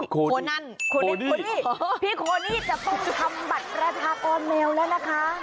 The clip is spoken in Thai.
โคนั่นโคนี่พี่โคนี่จะต้องทำบัตรประชากรแมวแล้วนะคะ